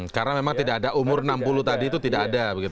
karena memang tidak ada umur enam puluh tadi itu tidak ada